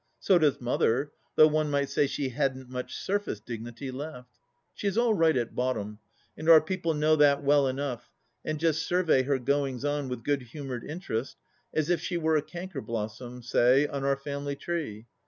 So does Mother, though one might say she hadn't much surface dignity left. She is all right at bottom, and our people know that well enough and just survey her goings on with good humoured interest, as if she were a canker blossom, say, on our family tree.